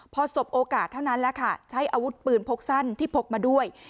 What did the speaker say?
พอสบโอกาสเท่านั้นแหละค่ะใช้อาวุธปืนพกสั้นที่พกมาด้วย